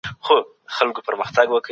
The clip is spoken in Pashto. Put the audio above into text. دولت غواړي چي خپل عایدات بېرته زیات کړي.